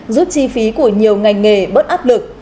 giúp chi phí của nhiều ngành nghề bớt áp lực